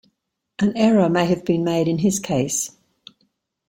An error may have been made in his case.